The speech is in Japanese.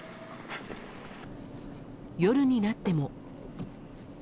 夜になっても。